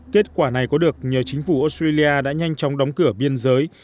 kết quả này có được nhờ chính phủ australia đã nhanh chóng đóng cửa biên giới